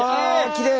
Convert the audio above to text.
きれい！